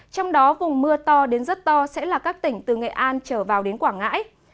trong đó vùng mưa to đến rất to sẽ là các tỉnh từ nghệ an trở vào đến quảng ngãi